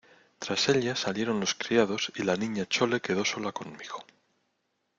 tras ella salieron los criados, y la Niña Chole quedó sola conmigo.